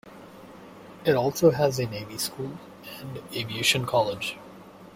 It also has a navy school and aviation college.